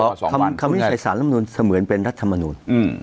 คำวินิจฉัยของคำวินิจฉัยคำวินิจฉ็ยสารธรรมนุนเหมือนเป็นรัฐธรรมนุน